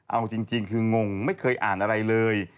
เอาจริงคืองงไม่เคยอ่านอะไรเลย